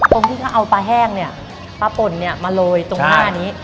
ตรงที่เขาเอาปลาแห้งเนี่ยปลาป่นเนี่ยมาโรยตรงหน้านี้